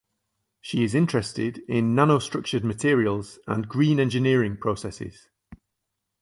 She is interested in nanostructured materials and green engineering processes.